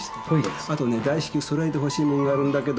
あとね大至急揃えてほしいものがあるんだけども。